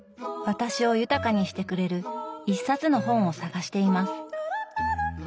私を豊かにしてくれる一冊の本を探しています。